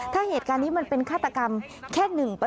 ถ้าเหตุการณ์นี้มันเป็นฆาตกรรมแค่๑